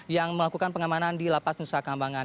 yang melakukan pengamanan di lapas nusa kambangan